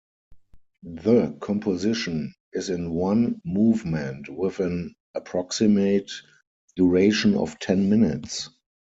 The composition is in one movement, with an approximate duration of ten minutes.